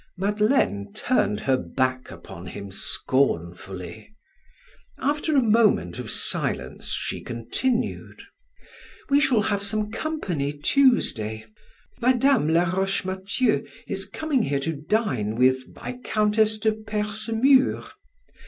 Madeleine turned her back upon him scornfully; after a moment of silence, she continued: "We shall have some company Tuesday. Mme. Laroche Mathieu is coming here to dine with Viscountess de Percemur.